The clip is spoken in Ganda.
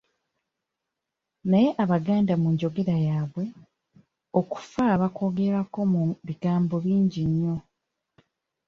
Naye Abaganda mu njogera yaabwe, okufa bakwogererako mu bigambo bingi nnyo.